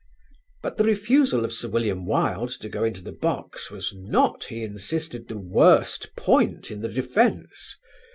But the refusal of Sir William Wilde to go into the box was not, he insisted, the worst point in the defence.